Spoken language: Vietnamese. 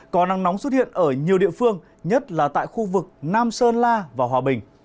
có nắng nóng xuất hiện ở nhiều địa phương nhất là tại khu vực nam sơn la và hòa bình